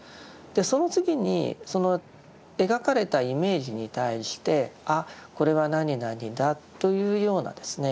その次にその描かれたイメージに対して「あこれは何々だ」というようなですね